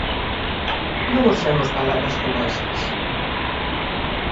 Non usemos palabras como estas.